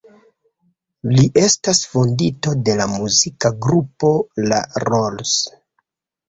Li estas fondinto de la muzika grupo La Rolls.